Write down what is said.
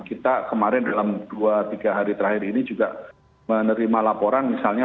kita kemarin dalam dua tiga hari terakhir ini juga menerima laporan misalnya